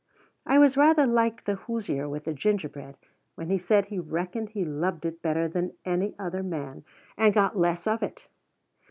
I was rather like the Hoosier with the gingerbread, when he said he reckoned he loved it better than any other man, and got less of it.